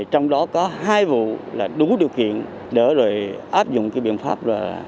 trong đó có hai vụ là đúng điều kiện để áp dụng biện pháp